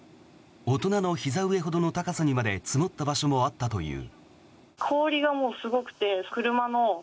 大人のひざ上ほどの高さにまで積もった場所もあったという。